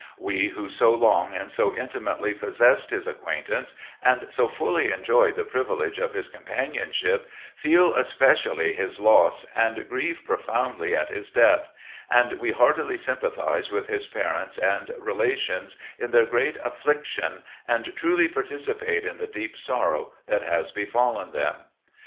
"We who so long and so intimately possessed his acquaintance, and so fully enjoyed the privilege of his companionship, feel especially his loss, and grieve pro foundly at his death; and we heartily sympathise with his parents and relations in their great affliction, and truly participate in the deep sorrow that has befallen them.